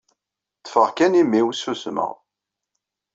Ṭṭfeɣ kan imi-w, ssusmeɣ.